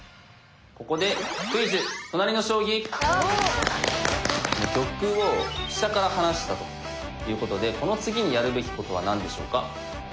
ここで玉を飛車から離したということでこの次にやるべきことは何でしょうか？